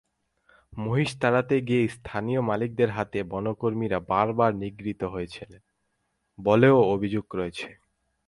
মহিষ তাড়াতে গিয়ে স্থানীয় মালিকদের হাতে বনকর্মীরা বারবার নিগৃহীত হয়েছেন বলেও অভিযোগ রয়েছে।